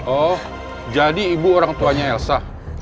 oh jadi ibu orang tuanya elsa